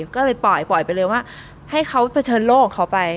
ก็เลยปล่อยไปเลยว่าให้เขาเผชิญโลกของเขาไป